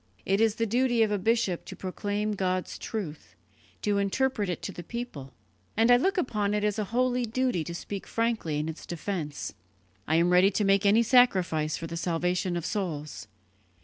It is the duty of a bishop to proclaim God's truth, to interpret it to the people; and I look upon it as a holy duty to speak frankly in its defence. I am ready to make any sacrifice for the salvation of souls.